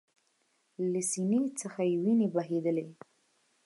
له سینې څخه یې ویني بهېدلې